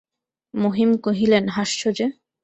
মহিম কহিলেন, হাসছ যে!